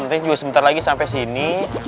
nanti juga sebentar lagi sampai sini